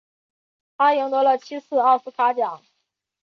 他赢得了七次奥斯卡奖。